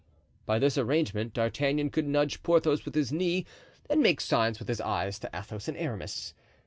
By this arrangement D'Artagnan could nudge Porthos with his knee and make signs with his eyes to Athos and Aramis.